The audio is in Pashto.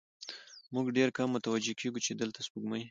موږ ډېر کم متوجه کېږو، چې دلته سپوږمۍ